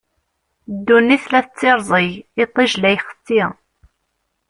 Ddunit la tettirẓig, iṭij la ixeṣṣi.